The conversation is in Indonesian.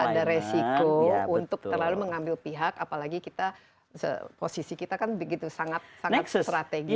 jadi ada resiko untuk terlalu mengambil pihak apalagi kita posisi kita kan begitu sangat strategis